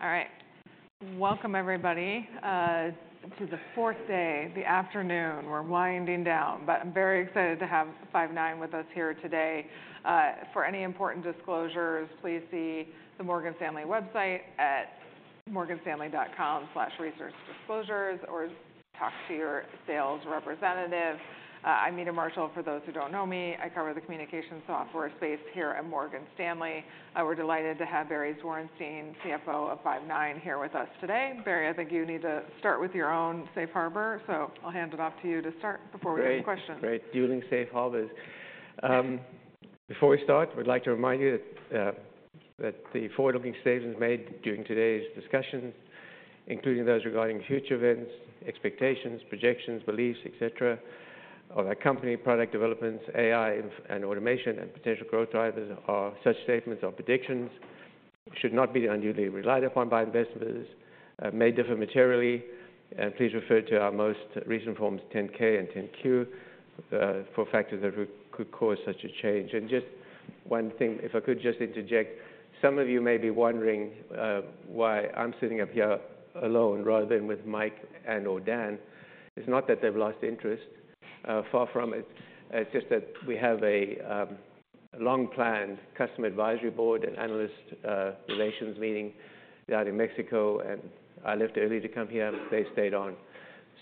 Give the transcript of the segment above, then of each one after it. All right. Welcome, everybody, to the fourth day, the afternoon. We're winding down, but I'm very excited to have Five9 with us here today. For any important disclosures, please see the Morgan Stanley website at morganstanley.com/resources disclosures, or talk to your sales representative. I'm Meta Marshall, for those who don't know me. I cover the communication software space here at Morgan Stanley. We're delighted to have Barry Zwarenstein, CFO of Five9, here with us today. Barry, I think you need to start with your own safe harbor, so I'll hand it off to you to start before we take questions. Great. Great, dueling safe harbors. Before we start, we'd like to remind you that the forward-looking statements made during today's discussion, including those regarding future events, expectations, projections, beliefs, et cetera, of our company, product developments, AI and automation, and potential growth drivers, are such statements or predictions should not be unduly relied upon by investors, may differ materially, and please refer to our most recent Forms 10-K and 10-Q for factors that could cause such a change. And just one thing, if I could just interject. Some of you may be wondering why I'm sitting up here alone rather than with Mike and/or Dan. It's not that they've lost interest, far from it. It's just that we have a long-planned customer advisory board and analyst relations meeting down in Mexico, and I left early to come here, and they stayed on.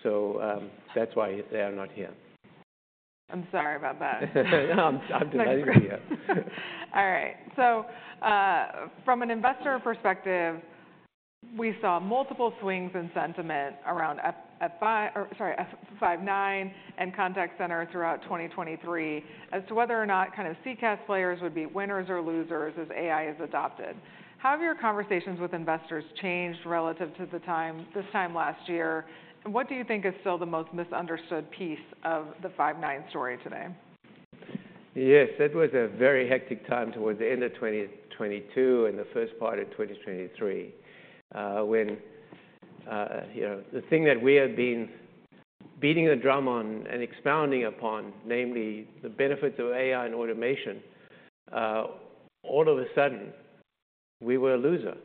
So, that's why they are not here. I'm sorry about that. I'm delighted to be here. All right, so from an investor perspective, we saw multiple swings in sentiment around Five9 and contact center throughout 2023 as to whether or not kind of CCaaS players would be winners or losers as AI is adopted. How have your conversations with investors changed relative to the time, this time last year? And what do you think is still the most misunderstood piece of the Five9 story today? Yes, it was a very hectic time towards the end of 2022 and the first part of 2023, when, you know, the thing that we had been beating the drum on and expounding upon, namely the benefits of AI and automation, all of a sudden, we were a loser.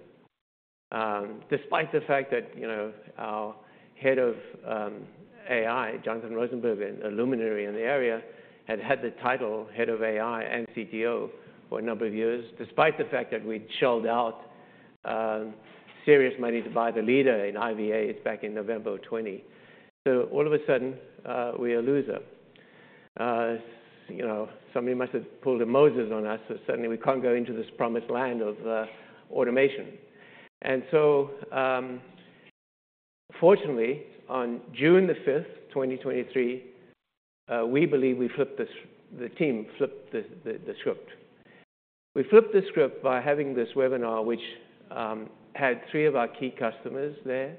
Despite the fact that, you know, our head of AI, Jonathan Rosenberg, a luminary in the area, had had the title Head of AI and CTO for a number of years, despite the fact that we'd shelled out serious money to buy the leader in IVAs back in November of 2020. So all of a sudden, we're a loser. You know, somebody must have pulled a Moses on us, so suddenly we can't go into this promised land of automation. Fortunately, on June 5th, 2023, we believe the team flipped the script. We flipped the script by having this webinar, which had three of our key customers there,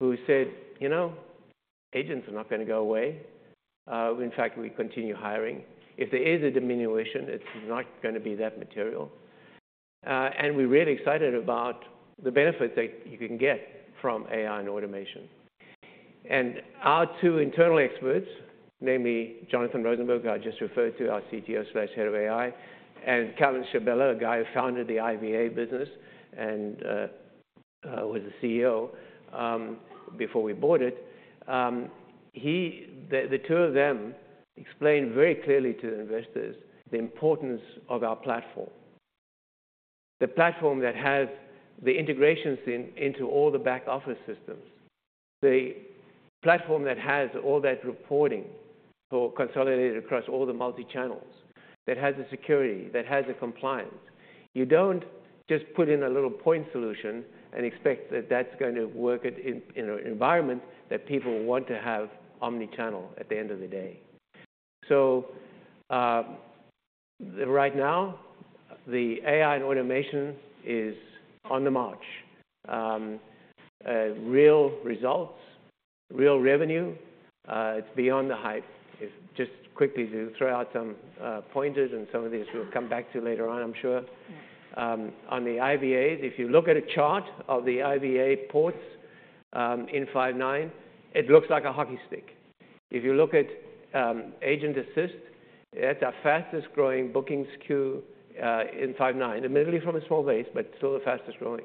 who said, "You know, agents are not going to go away. In fact, we continue hiring. If there is a diminution, it's not going to be that material. And we're really excited about the benefit that you can get from AI and automation." Our 2 internal experts, namely Jonathan Rosenberg, who I just referred to, our CTO/Head of AI, and Callan Schebella, a guy who founded the IVA business and was the CEO before we bought it, the two of them explained very clearly to the investors the importance of our platform. The platform that has the integrations into all the back office systems, the platform that has all that reporting for consolidated across all the multi-channels, that has the security, that has the compliance. You don't just put in a little point solution and expect that that's going to work in an environment that people want to have omni-channel at the end of the day. So, right now, the AI and automation is on the march. Real results, real revenue, it's beyond the hype. Just quickly to throw out some pointers and some of these we'll come back to later on, I'm sure. Yeah. On the IVAs, if you look at a chart of the IVA ports in Five9, it looks like a hockey stick. If you look at Agent Assist, that's our fastest-growing booking SKU in Five9. Admittedly, from a small base, but still the fastest growing.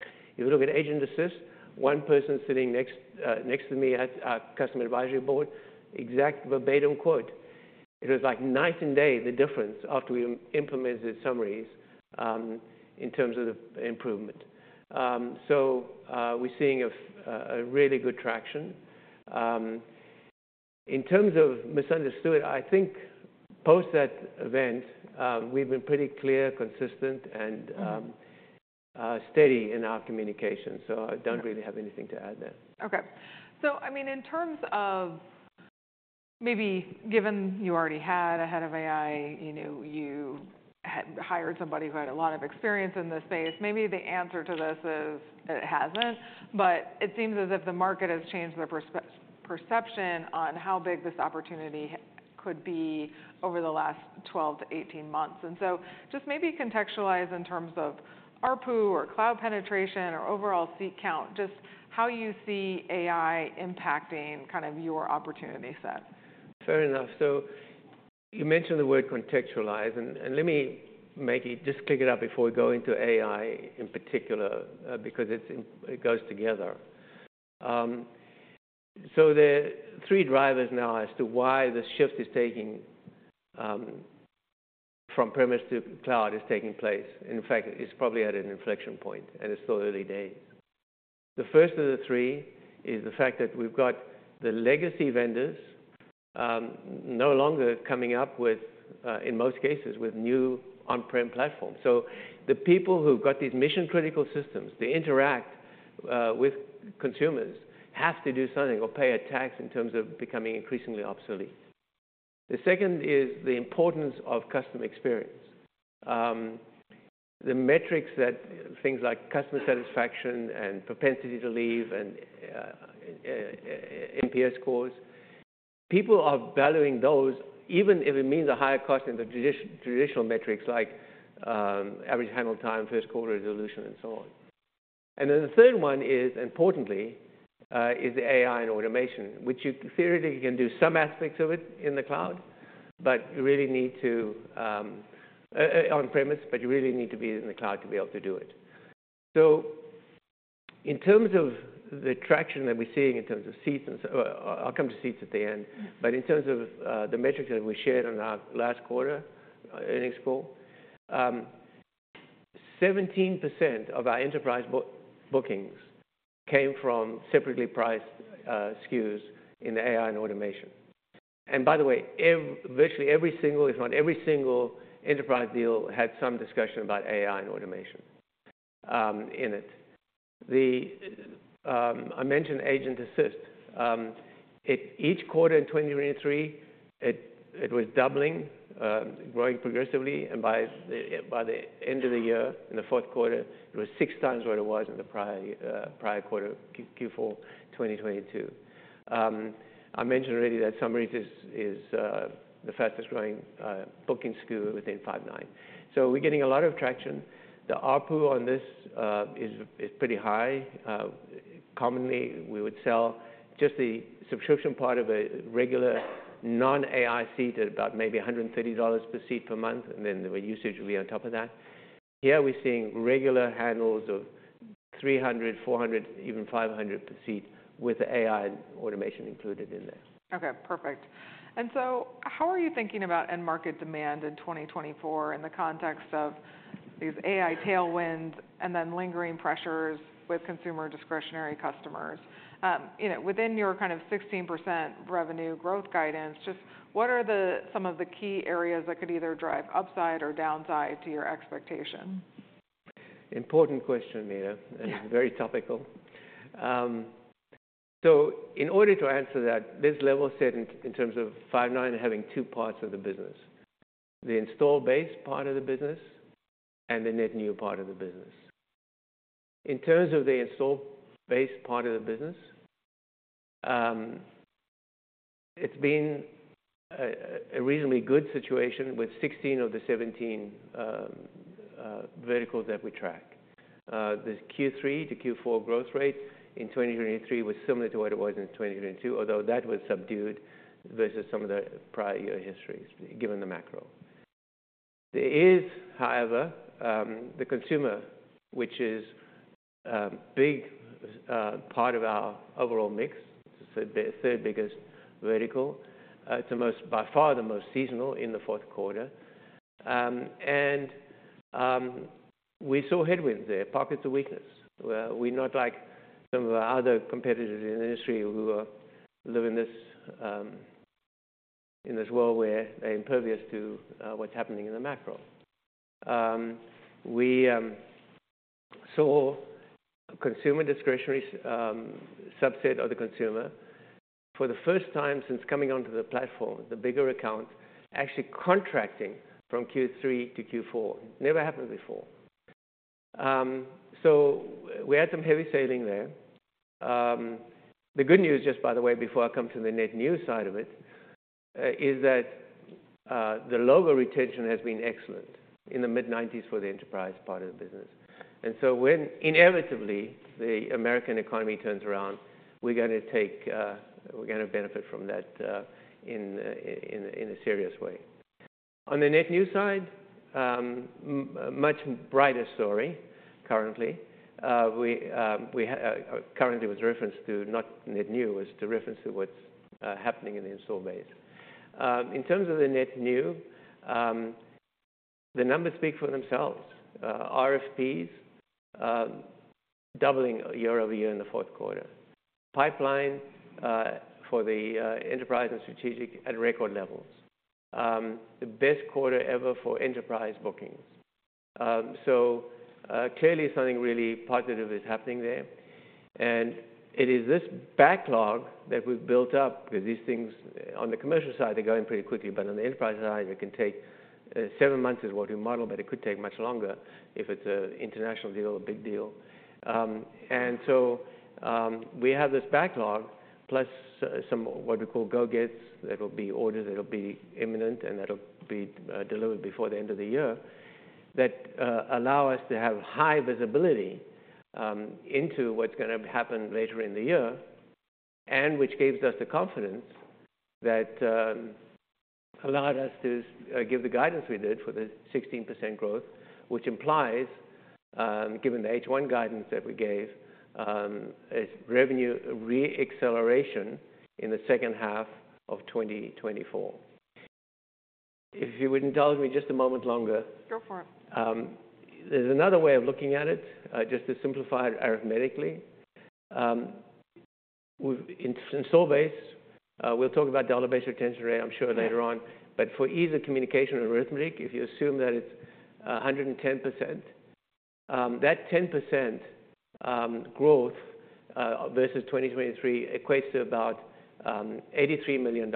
If you look at Agent Assist, one person sitting next to me at our customer advisory board, exact verbatim quote: "It was like night and day, the difference after we implemented the summaries in terms of the improvement." So, we're seeing a really good traction. In terms of misunderstood, I think post that event, we've been pretty clear, consistent, and steady in our communication, so I don't really have anything to add there. Okay. So I mean, in terms of maybe given you already had a head of AI, you knew you had hired somebody who had a lot of experience in this space, maybe the answer to this is, it hasn't, but it seems as if the market has changed their perception on how big this opportunity could be over the last 12-18 months. And so just maybe contextualize in terms of ARPU or cloud penetration or overall seat count, just how you see AI impacting kind of your opportunity set. Fair enough. So You mentioned the word contextualize, and, and let me make it, just pick it up before we go into AI in particular, because it's, it goes together. So the three drivers now as to why the shift is taking from on-premise to cloud is taking place. In fact, it's probably at an inflection point, and it's still early days. The first of the three is the fact that we've got the legacy vendors no longer coming up with, in most cases, with new on-prem platforms. So the people who've got these mission-critical systems, they interact with consumers, have to do something or pay a tax in terms of becoming increasingly obsolete. The second is the importance of customer experience. The metrics that things like customer satisfaction and propensity to leave and NPS scores, people are valuing those, even if it means a higher cost than the traditional metrics, like average handle time, first call resolution, and so on. And then the third one is, importantly, is the AI and automation, which you theoretically can do some aspects of it in the cloud, but you really need to on-premise, but you really need to be in the cloud to be able to do it. So in terms of the traction that we're seeing in terms of seats and so, I'll come to seats at the end. But in terms of the metrics that we shared on our last quarter earnings call, 17% of our enterprise bookings came from separately priced SKUs in the AI and automation. By the way, virtually every single, if not every single enterprise deal, had some discussion about AI and automation in it. I mentioned Agent Assist. Each quarter in 2023, it was doubling, growing progressively, and by the end of the year, in the fourth quarter, it was 6x what it was in the prior quarter, Q4 2022. I mentioned already that Summary is the fastest growing booking SKU within Five9. So we're getting a lot of traction. The ARPU on this is pretty high. Commonly, we would sell just the subscription part of a regular non-AI seat at about maybe $130 per seat per month, and then the usage will be on top of that. Here we're seeing regular handles of 300, 400, even 500 per seat with the AI automation included in there. Okay, perfect. And so how are you thinking about end market demand in 2024 in the context of these AI tailwinds and then lingering pressures with consumer discretionary customers? You know, within your kind of 16% revenue growth guidance, just what are the, some of the key areas that could either drive upside or downside to your expectation? Important question, Meta. Yeah. And very topical. So in order to answer that, there's level set in terms of Five9 having two parts of the business: the install base part of the business and the net new part of the business. In terms of the install base part of the business, it's been a reasonably good situation with 16 of the 17 verticals that we track. The Q3 to Q4 growth rate in 2023 was similar to what it was in 2022, although that was subdued versus some of the prior year histories, given the macro. There is, however, the consumer, which is a big part of our overall mix, the third biggest vertical. It's the most, by far, the most seasonal in the fourth quarter. And we saw headwinds there, pockets of weakness, where we're not like some of our other competitors in the industry who are living in this, in this world where they're impervious to what's happening in the macro. We saw consumer discretionary, subset of the consumer for the first time since coming onto the platform, the bigger accounts, actually contracting from Q3 to Q4. Never happened before. So we had some heavy sailing there. The good news, just by the way, before I come to the net new side of it, is that the logo retention has been excellent, in the mid-nineties for the enterprise part of the business. And so when inevitably the American economy turns around, we're gonna take, we're gonna benefit from that, in a serious way. On the net new side, much brighter story currently. We currently with reference to not net new, was to reference to what's happening in the install base. In terms of the net new, the numbers speak for themselves. RFPs doubling year-over-year in the fourth quarter. Pipeline for the enterprise and strategic at record levels. The best quarter ever for enterprise bookings. So, clearly something really positive is happening there, and it is this backlog that we've built up because these things on the commercial side, they're going pretty quickly, but on the enterprise side, it can take, seven months is what we model, but it could take much longer if it's an international deal or a big deal. And so, we have this backlog plus some what we call go-gets. That'll be orders, that'll be imminent, and that'll be delivered before the end of the year, that allow us to have high visibility into what's gonna happen later in the year and which gives us the confidence that allowed us to give the guidance we did for the 16% growth, which implies, given the H1 guidance that we gave, a revenue re-acceleration in the second half of 2024. If you would indulge me just a moment longer. Go for it. There's another way of looking at it, just to simplify it arithmetically. In surveys, we'll talk about Dollar-Based Retention Rate, I'm sure, later on. But for easier communication arithmetic, if you assume that it's 110%, that 10% growth versus 2023 equates to about $83 million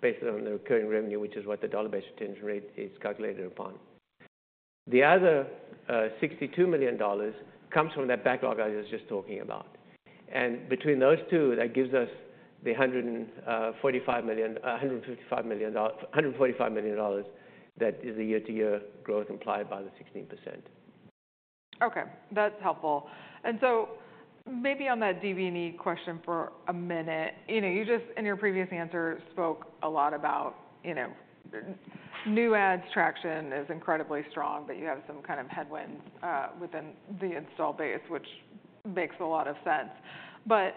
based on the recurring revenue, which is what the Dollar-Based Retention Rate is calculated upon. The other $62 million comes from that backlog I was just talking about. And between those two, that gives us the $145 million dollars that is the year-to-year growth implied by the 16%. Okay, that's helpful. And so maybe on that DB&E question for a minute, you know, you just, in your previous answer, spoke a lot about, you know, net new adds traction is incredibly strong, but you have some kind of headwinds within the install base, which makes a lot of sense. But,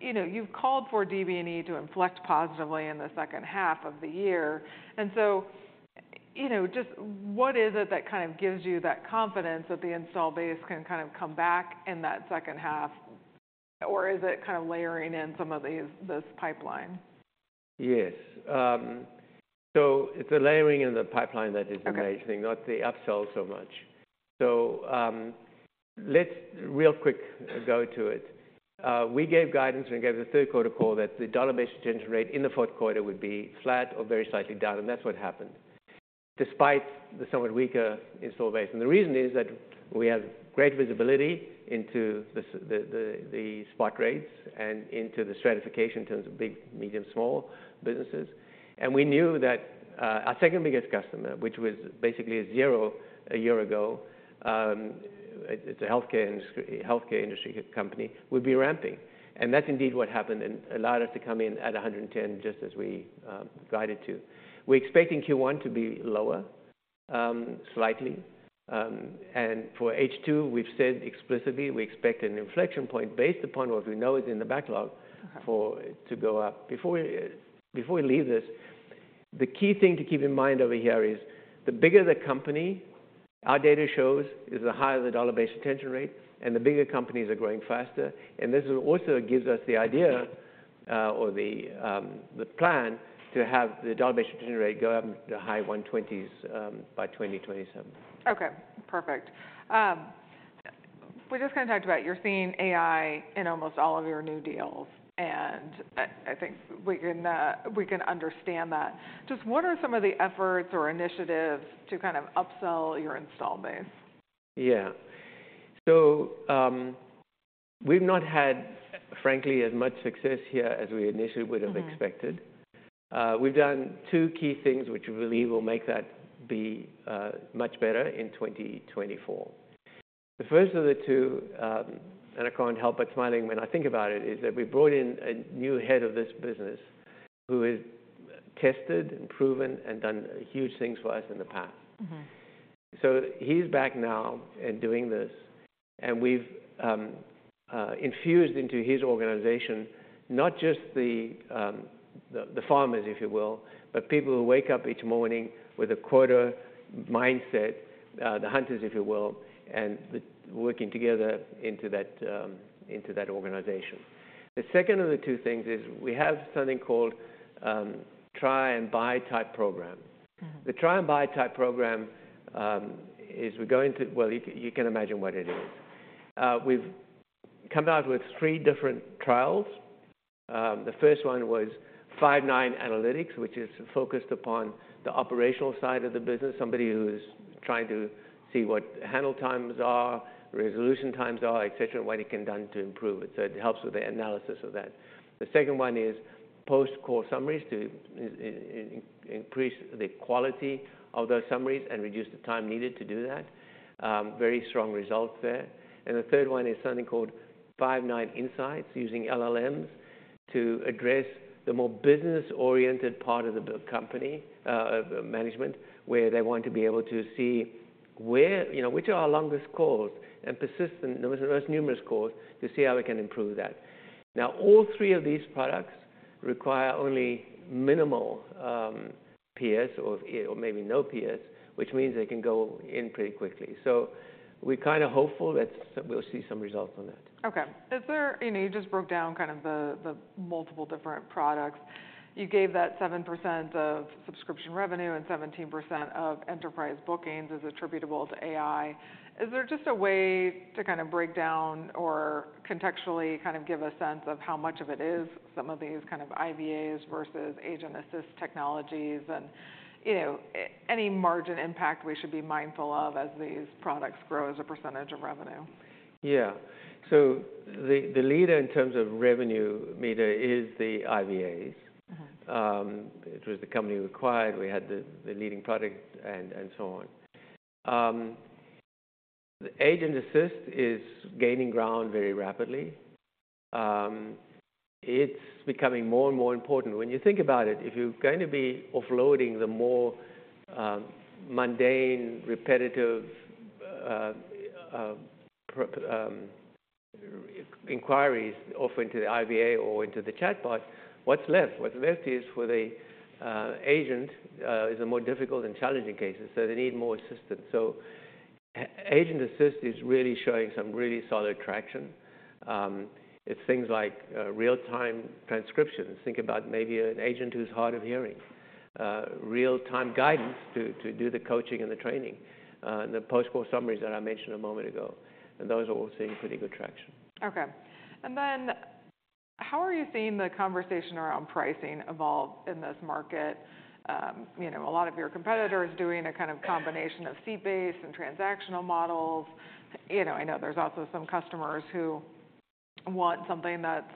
you know, you've called for DB&E to inflect positively in the second half of the year. And so, you know, just what is it that kind of gives you that confidence that the install base can kind of come back in that second half, or is it kind of layering in some of these, this pipeline? Yes. So it's a layering in the pipeline that is the main thing Okay Not the upsell so much. So, let's real quick go to it. We gave guidance when we gave the third quarter call that the Dollar-Based Retention Rate in the fourth quarter would be flat or very slightly down, and that's what happened, despite the somewhat weaker install base. And the reason is that we have great visibility into the spot rates and into the stratification in terms of big, medium, small businesses. And we knew that our second biggest customer, which was basically a zero a year ago, it's a healthcare industry, healthcare industry company, would be ramping. And that's indeed what happened and allowed us to come in at 110, just as we guided to. We're expecting Q1 to be lower, slightly. For H2, we've said explicitly, we expect an inflection point based upon what we know is in the backlog. Okay For it to go up. Before we leave this, the key thing to keep in mind over here is the bigger the company, our data shows, is the higher the Dollar-Based Retention Rate, and the bigger companies are growing faster. And this also gives us the idea or the plan to have the Dollar-Based Retention Rate go up to high 120s by 2027. Okay, perfect. We just kind of talked about you're seeing AI in almost all of your new deals, and I think we can understand that. Just what are some of the efforts or initiatives to kind of upsell your installed base? Yeah. So, we've not had, frankly, as much success here as we initially would have expected. We've done two key things, which we believe will make that be much better in 2024. The first of the two, and I can't help but smiling when I think about it, is that we brought in a new head of this business who is tested and proven and done huge things for us in the past. So he's back now and doing this, and we've infused into his organization not just the farmers, if you will, but people who wake up each morning with a quota mindset, the hunters, if you will, and the working together into that organization. The second of the two things is we have something called try and buy type program. The try and buy type program is we're going to... Well, you can imagine what it is. We've come out with three different trials. The first one was Five9 Analytics, which is focused upon the operational side of the business, somebody who's trying to see what handle times are, resolution times are, et cetera, what it can done to improve it, so it helps with the analysis of that. The second one is post-call summaries to increase the quality of those summaries and reduce the time needed to do that. Very strong results there. And the third one is something called Five9 Insights, using LLMs to address the more business-oriented part of the company, management, where they want to be able to see where, you know, which are our longest calls and persistent, the most numerous calls, to see how we can improve that. Now, all three of these products require only minimal PS or maybe no PS, which means they can go in pretty quickly. So we're kind of hopeful that we'll see some results on that. Okay. Is there, you know, you just broke down kind of the multiple different products. You gave that 7% of subscription revenue, and 17% of enterprise bookings is attributable to AI. Is there just a way to kind of break down or contextually kind of give a sense of how much of it is some of these kind of IVAs versus Agent Assist technologies and, you know, any margin impact we should be mindful of as these products grow as a percentage of revenue? Yeah. So the leader in terms of revenue, Meta, is the IVAs. It was the company we acquired. We had the, the leading product and, and so on. The Agent Assist is gaining ground very rapidly. It's becoming more and more important. When you think about it, if you're going to be offloading the more mundane, repetitive inquiries off into the IVA or into the chatbot, what's left? What's left is for the agent is the more difficult and challenging cases, so they need more assistance. So Agent Assist is really showing some really solid traction. It's things like real-time transcriptions. Think about maybe an agent who's hard of hearing, real-time guidance to do the coaching and the training, and the post-call summaries that I mentioned a moment ago, and those are all seeing pretty good traction. Okay. And then how are you seeing the conversation around pricing evolve in this market? You know, a lot of your competitors doing a kind of combination of seat-based and transactional models. You know, I know there's also some customers who want something that's,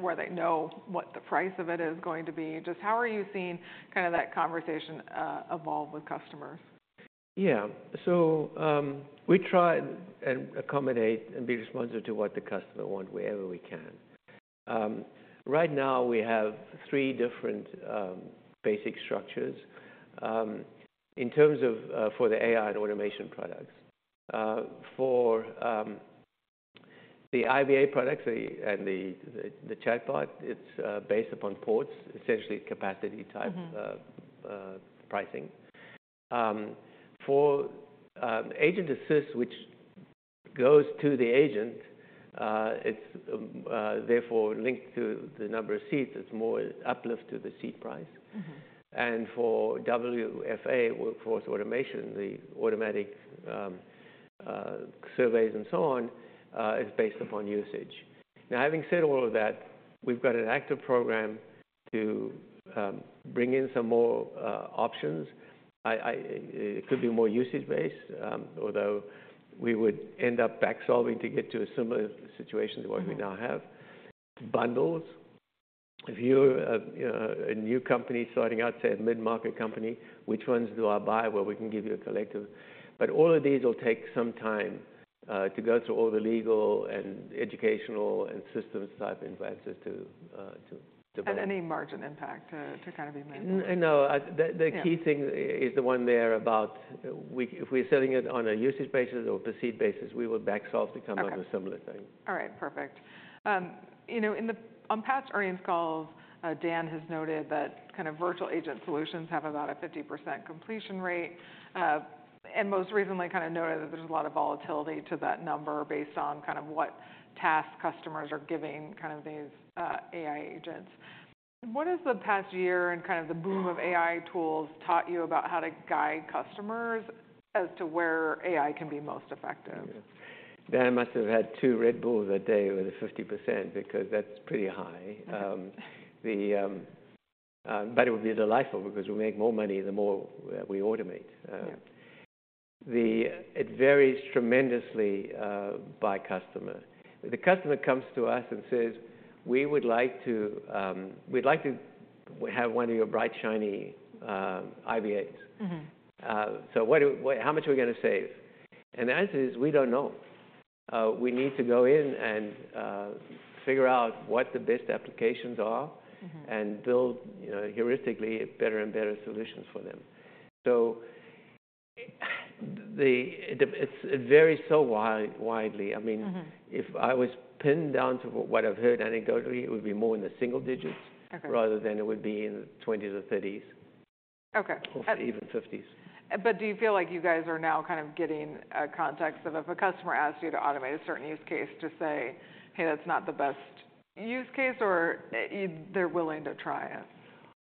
where they know what the price of it is going to be. Just how are you seeing kind of that conversation, evolve with customers? Yeah. So, we try and accommodate and be responsive to what the customer want wherever we can. Right now, we have three different basic structures in terms of for the AI and automation products. For the IVA products and the chatbot, it's based upon ports, essentially capacity type-pricing. For Agent Assist, which goes to the agent, it's therefore linked to the number of seats. It's more uplift to the seat price. And for WFA, workforce automation, the automatic surveys and so on is based upon usage. Now, having said all of that, we've got an active program to bring in some more options. It could be more usage-based, although we would end up back solving to get to a similar situation to what we now have. Bundles, if you're a new company starting out, say, a mid-market company, which ones do I buy? Well, we can give you a collective. But all of these will take some time to go through all the legal and educational and systems type influences to. Any margin impact to kind of be made. No, the key thing is the one there about if we're selling it on a usage basis or per seat basis, we will back solve to come up with a similar thing. All right, perfect. You know, on past earnings calls, Dan has noted that kind of virtual agent solutions have about a 50% completion rate. And most recently, kind of noted that there's a lot of volatility to that number based on kind of what tasks customers are giving, kind of these AI agents. What has the past year and kind of the boom of AI tools taught you about how to guide customers as to where AI can be most effective? Dan must have had two Red Bulls that day with a 50%, because that's pretty high. But it would be delightful because we make more money the more we automate. Yeah. It varies tremendously by customer. If the customer comes to us and says: We would like to, we'd like to have one of your bright, shiny IVAs. So what - how much are we gonna save? And the answer is, we don't know. We need to go in and figure out what the best applications are and build, you know, heuristically better and better solutions for them. So the, it's, it varies so widely. I mean if I was pinned down to what I've heard anecdotally, it would be more in the single digits- Okay Rather than it would be in the 20s or 30s. Okay. Or even fifties. But do you feel like you guys are now kind of getting a context of, if a customer asks you to automate a certain use case, to say, "Hey, that's not the best use case," or they're willing to try it?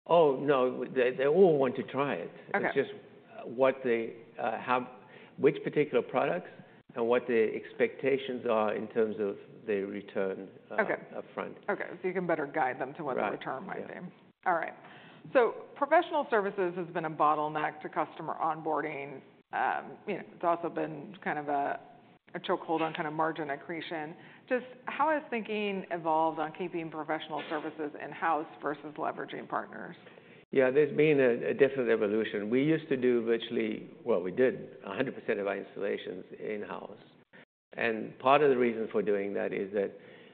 Oh, no, they, they all want to try it. Okay. It's just what they have, which particular products and what the expectations are in terms of the return upfront. Okay. So you can better guide them to what the return might be. Yeah. All right. So professional services has been a bottleneck to customer onboarding. You know, it's also been kind of a chokehold on kind of margin accretion. Just how has thinking evolved on keeping professional services in-house versus leveraging partners? Yeah, there's been a definite evolution. We used to do virtually, well, we did 100% of our installations in-house. And part of the reason for doing that is that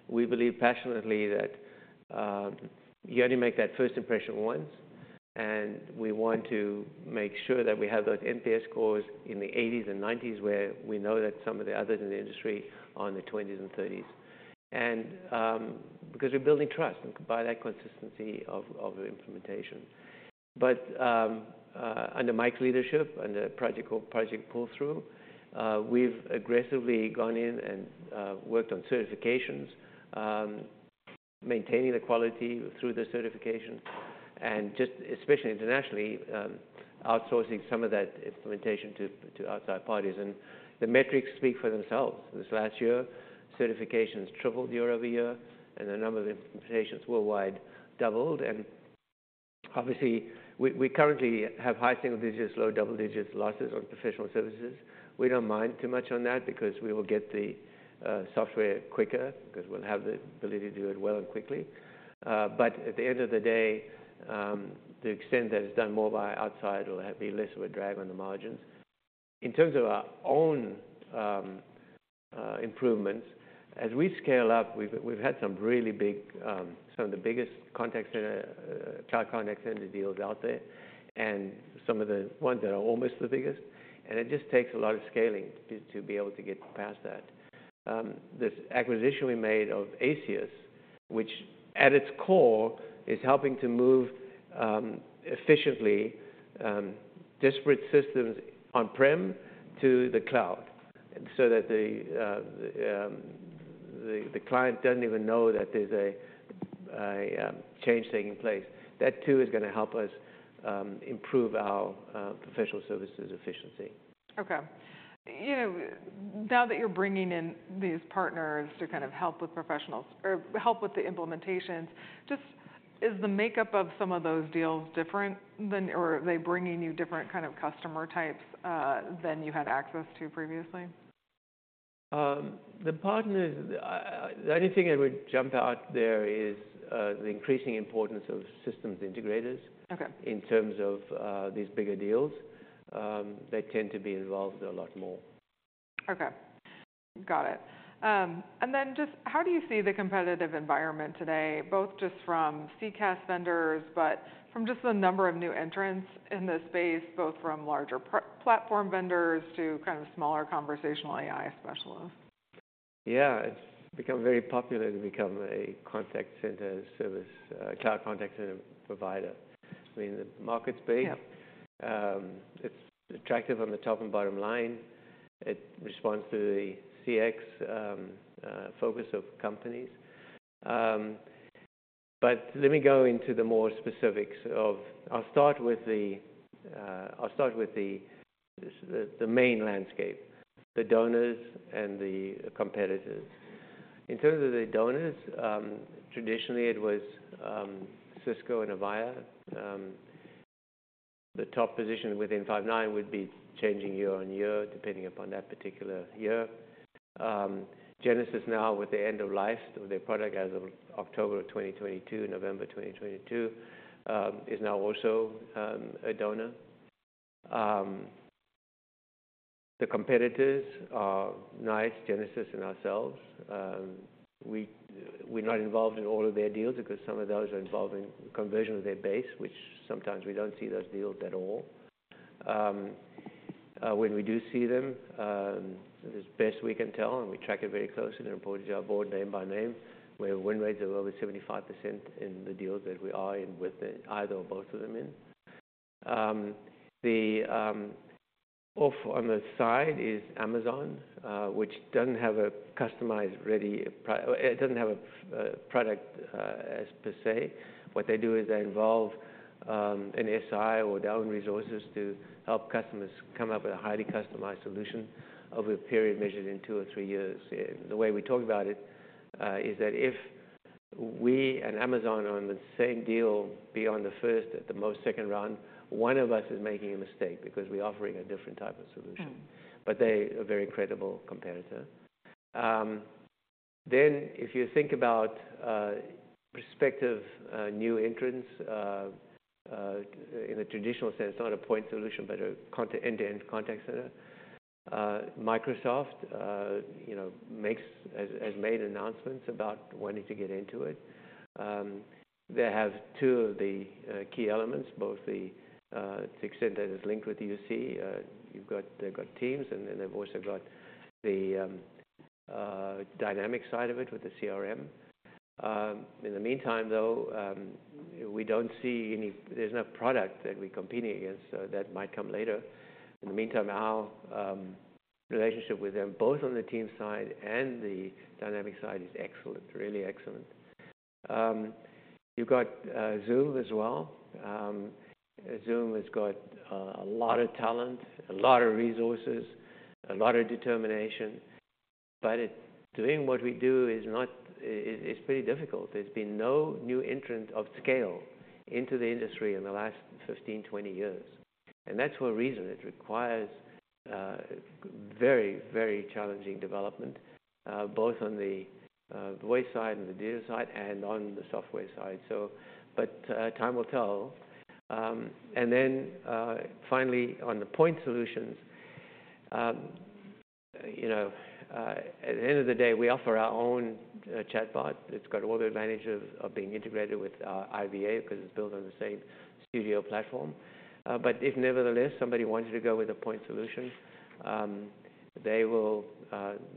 we believe passionately that you only make that first impression once, and we want to make sure that we have those NPS scores in the 80s and 90s, where we know that some of the others in the industry are in the 20s and 30s. And because we're building trust and by that consistency of implementation. But under Mike's leadership, under Project Pull-Through, we've aggressively gone in and worked on certifications, maintaining the quality through the certification, and just especially internationally, outsourcing some of that implementation to outside parties. And the metrics speak for themselves. This last year, certifications tripled year over year, and the number of implementations worldwide doubled. Obviously, we currently have high single digits, low double digits losses on professional services. We don't mind too much on that because we will get the software quicker, because we'll have the ability to do it well and quickly. But at the end of the day, the extent that it's done more by outside will be less of a drag on the margins. In terms of our own improvements. As we scale up, we've had some really big some of the biggest contact center cloud contact center deals out there, and some of the ones that are almost the biggest, and it just takes a lot of scaling to be able to get past that. This acquisition we made of Aceyus, which at its core, is helping to move efficiently disparate systems on-prem to the cloud, so that the client doesn't even know that there's a change taking place. That too, is gonna help us improve our professional services efficiency. Okay. You know, now that you're bringing in these partners to kind of help with professionals or help with the implementations, just is the makeup of some of those deals different than or are they bringing you different kind of customer types, than you had access to previously? The partners, the only thing I would jump out there is, the increasing importance of systems integrators in terms of, these bigger deals. They tend to be involved a lot more. Okay, got it. And then just how do you see the competitive environment today, both just from CCaaS vendors, but from just the number of new entrants in this space, both from larger platform vendors to kind of smaller conversational AI specialists? Yeah, it's become very popular to become a contact center service, cloud contact center provider. I mean, the market's big. It's attractive on the top and bottom line. It responds to the CX focus of companies. But let me go into the more specifics of... I'll start with the main landscape, the donors and the competitors. In terms of the donors, traditionally it was Cisco and Avaya. The top position within Five9 would be changing year on year, depending upon that particular year. Genesys now, with the end of life of their product as of October 2022, November 2022, is now also a donor. The competitors are NICE, Genesys and ourselves. We're not involved in all of their deals because some of those are involved in conversion of their base, which sometimes we don't see those deals at all. When we do see them, as best we can tell, and we track it very closely and report to our board name by name, we have win rates of over 75% in the deals that we are in with either or both of them in. Off on the side is Amazon, which doesn't have a customized, ready, it doesn't have a product per se. What they do is they involve an SI or their own resources to help customers come up with a highly customized solution over a period in two or three years. The way we talk about it is that if we and Amazon are on the same deal beyond the first, at the most second round, one of us is making a mistake because we're offering a different type of solution. But they are a very credible competitor. Then if you think about prospective new entrants in the traditional sense, not a point solution, but an end-to-end contact center, Microsoft, you know, makes, has, has made announcements about wanting to get into it. They have two of the key elements, both to the extent that is linked with UC, they've got Teams, and then they've also got the Dynamics side of it with the CRM. In the meantime, though, we don't see any... There's no product that we're competing against, so that might come later. In the meantime, our relationship with them, both on the Teams side and the Dynamics side, is excellent, really excellent. You've got Zoom as well. Zoom has got a lot of talent, a lot of resources, a lot of determination, but doing what we do is not, it's pretty difficult. There's been no new entrant of scale into the industry in the last 15, 20 years, and that's for a reason. It requires very, very challenging development both on the voice side and the data side and on the software side. Time will tell. And then finally, on the point solutions, you know, at the end of the day, we offer our own chatbot. It's got all the advantages of being integrated with IVA because it's built on the same studio platform. But if, nevertheless, somebody wants to go with a point solution, they will,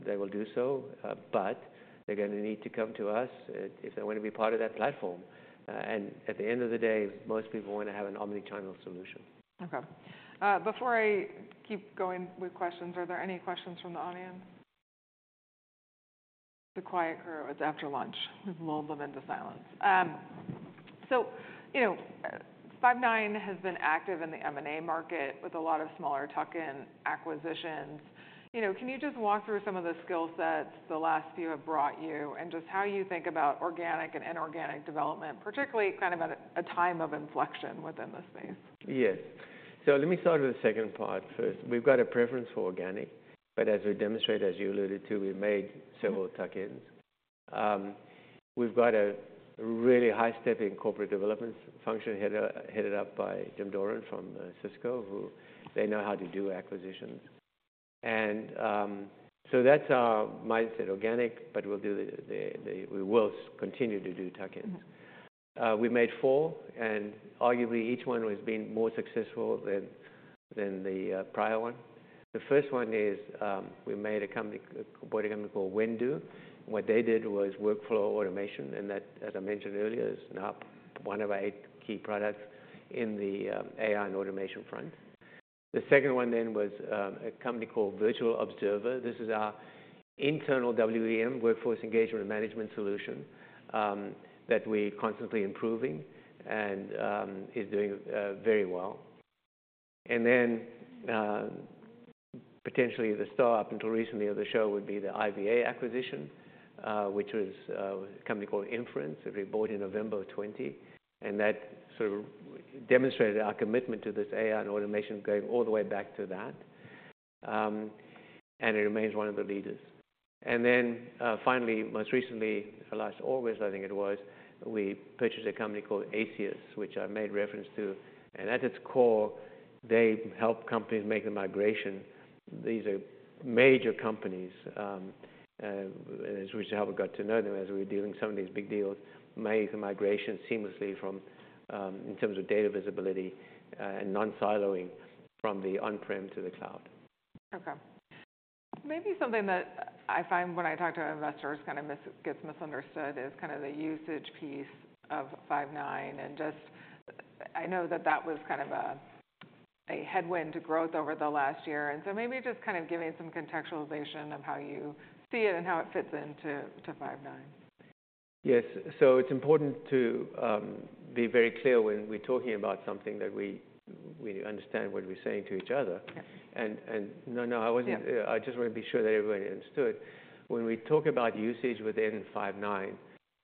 they will do so, but they're gonna need to come to us if they wanna be part of that platform. And at the end of the day, most people want to have an omni-channel solution. Okay. Before I keep going with questions, are there any questions from the audience? It's a quiet crowd. It's after lunch. We've lulled them into silence. So, you know, Five9 has been active in the M&A market with a lot of smaller tuck-in acquisitions. You know, can you just walk through some of the skill sets the last few have brought you and just how you think about organic and inorganic development, particularly kind of at a time of inflection within the space? Yes. So let me start with the second part first. We've got a preference for organic, but as we demonstrated, as you alluded to, we've made several tuck-ins. We've got a really high-stepping corporate development function, headed up by Jim Doran from Cisco, who they know how to do acquisitions. And so that's our mindset, organic, but we'll do the, we will continue to do tuck-ins. We made four, and arguably each one has been more successful than the prior one. The first one is, we made a company, bought a company called Whendu. What they did was workflow automation, and that, as I mentioned earlier, is now one of our eight key products in the AI and automation front. The second one then was, a company called Virtual Observer. This is our internal WEM, Workforce Engagement Management solution, that we're constantly improving and, is doing, very well. And then, potentially the star, up until recently, of the show would be the IVA acquisition, which was, a company called Inference, that we bought in November of 2020, and that sort of demonstrated our commitment to this AI and automation going all the way back to that. And it remains one of the leaders. And then, finally, most recently, last August, I think it was, we purchased a company called Aceyus, which I made reference to. And at its core, they help companies make the migration. These are major companies, as we got to know them, as we were doing some of these big deals, make the migration seamlessly from, in terms of data visibility, and non-siloing from the on-prem to the cloud. Okay. Maybe something that I find when I talk to investors kind of misunderstood is kind of the usage piece of Five9. And just, I know that that was kind of a headwind to growth over the last year, and so maybe just kind of giving some contextualization of how you see it and how it fits into Five9. Yes. So it's important to be very clear when we're talking about something that we understand what we're saying to each other. No, I wasn't I just want to be sure that everybody understood. When we talk about usage within Five9,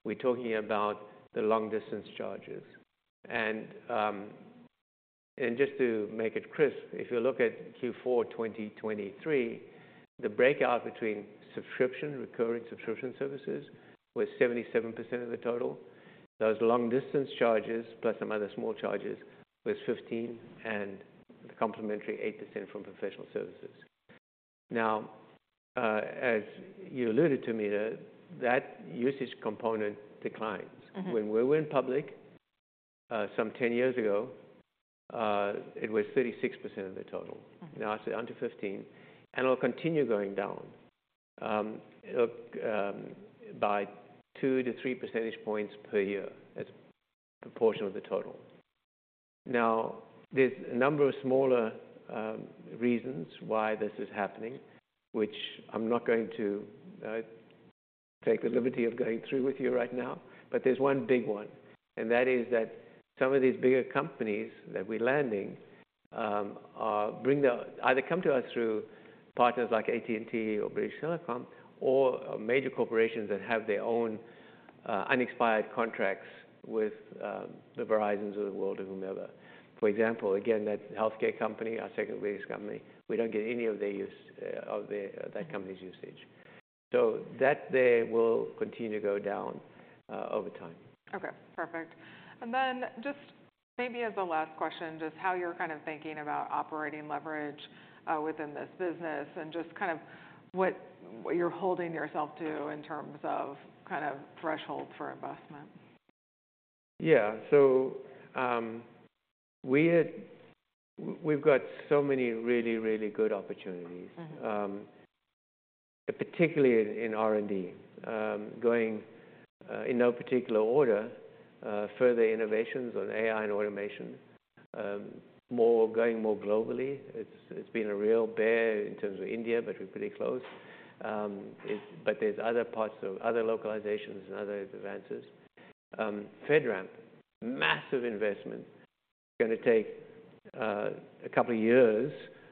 we're talking about the long-distance charges. And, and just to make it crisp, if you look at Q4 2023, the breakout between subscription, recurring subscription services, was 77% of the total. Those long-distance charges, plus some other small charges, was 15%, and the complementary 8% from professional services. Now, as you alluded to, Meta, that usage component declines. When we went public, some 10 years ago, it was 36% of the total. Now it's down to 15, and it'll continue going down by 2-3 percentage points per year as a proportion of the total. Now, there's a number of smaller reasons why this is happening, which I'm not going to take the liberty of going through with you right now. But there's one big one, and that is that some of these bigger companies that we're landing are bringing either come to us through partners like AT&T or British Telecom, or major corporations that have their own unexpired contracts with the Verizons of the world or whomever. For example, again, that healthcare company, our second biggest company, we don't get any of the use of that company's usage. So that day will continue to go down over time. Okay, perfect. And then just maybe as a last question, just how you're kind of thinking about operating leverage within this business, and just of what you're holding yourself to in terms of kind of threshold for investment? Yeah. We've got so many really, really good opportunities particularly in R&D. Going, in no particular order, further innovations on AI and automation, more going more globally. It's been a real bear in terms of India, but we're pretty close. But there's other parts, other localizations and other advances. FedRAMP, massive investment. It's gonna take a couple of years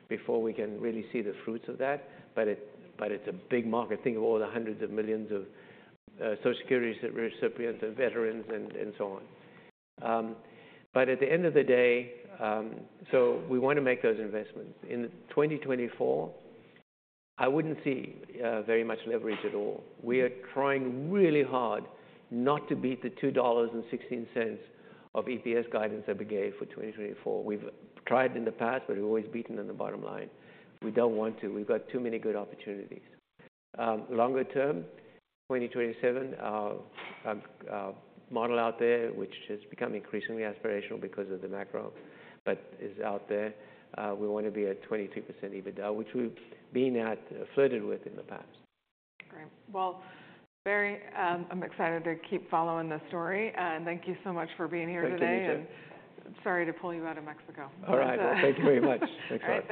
before we can really see the fruits of that, but it's a big market. Think of all the hundreds of millions of Social Security recipients and veterans and so on. But at the end of the day, so we want to make those investments. In 2024, I wouldn't see very much leverage at all. We are trying really hard not to beat the $2.16 of EPS guidance that we gave for 2024. We've tried in the past, but we've always beaten on the bottom line. We don't want to. We've got too many good opportunities. Longer term, 2027, our model out there, which has become increasingly aspirational because of the macro, but is out there, we want to be at 22% EBITDA, which we've been at, flirted with in the past. Great. Well, I'm excited to keep following this story, and thank you so much for being here today. Thank you, Meta. Sorry to pull you out of Mexico. All right. Well, thank you very much. Thanks a lot. All right, thank you.